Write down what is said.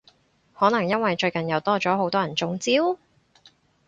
可能因為最近又多咗好多人中招？